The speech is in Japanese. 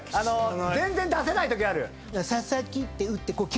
全然出せないときある。